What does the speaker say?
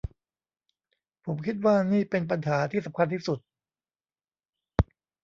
ผมคิดว่านี่เป็นปัญหาที่สำคัญที่สุด